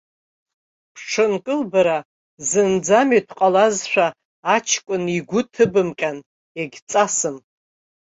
Бҽынкыл бара, зынӡа амитә ҟалазшәа аҷкәын игәы ҭыбымҟьан, егьҵасым!